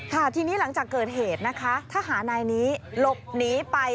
ทีนี้หลังจากเกิดเหตุนะคะทหารนายนี้หลบหนีไป